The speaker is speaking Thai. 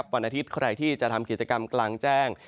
วันอาทิตย์ใครที่จะทำกิจกรรมกลางแจ้ง